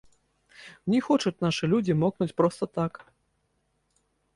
Не хочуць нашы людзі мокнуць проста так.